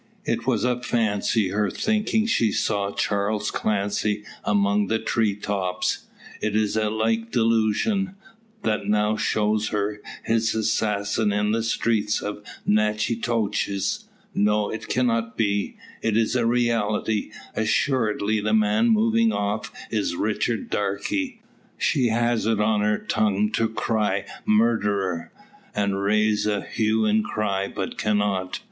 It was a fancy her thinking she saw Charles Clancy among the tree tops. Is it a like delusion, that now shows her his assassin in the streets of Natchitoches? No; it cannot be! It is a reality; assuredly the man moving off is Richard Darke! She has it on her tongue to cry "murderer!" and raise a "hue and cry;" but cannot.